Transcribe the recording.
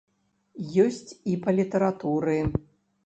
Ёсць і па літаратуры.